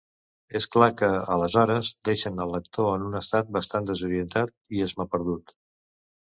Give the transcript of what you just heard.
És clar que, aleshores, deixen el lector en un estat bastant desorientat i esmaperdut.